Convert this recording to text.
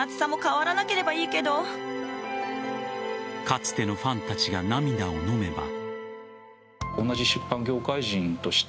かつてのファンたちが涙をのめば。